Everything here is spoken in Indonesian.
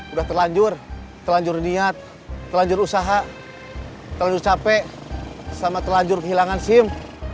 udah terlanjur terlanjur niat terlanjur usaha terlanjur capek sama terlanjur kehilangan sim